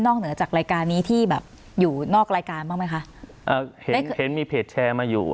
เหนือจากรายการนี้ที่แบบอยู่นอกรายการบ้างไหมคะอ่าเห็นเห็นมีเพจแชร์มาอยู่